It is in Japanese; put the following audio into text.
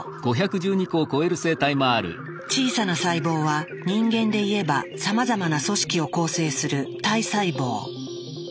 小さな細胞は人間でいえばさまざまな組織を構成する体細胞。